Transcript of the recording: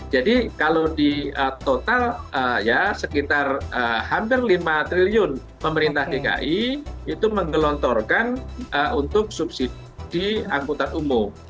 kalau di total ya sekitar hampir lima triliun pemerintah dki itu menggelontorkan untuk subsidi angkutan umum